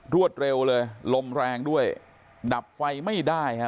รวดเร็วเลยลมแรงด้วยดับไฟไม่ได้ฮะ